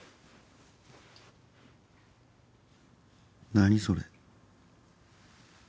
何それ。